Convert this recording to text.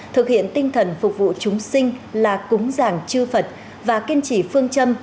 thực hiện tinh thần phục vụ chúng sinh là cúng giảng chưa phật và kiên trì phương châm